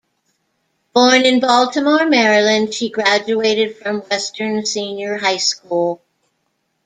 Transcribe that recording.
Born in Baltimore, Maryland, she graduated from Western Senior High School.